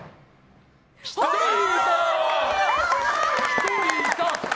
１人いた！